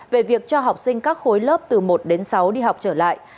về việc cho học sinh các khối lớp từ một đến sáu đi học trở lại